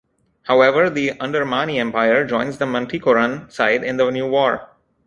However, the Andermani Empire joins the Manticoran side in the new war.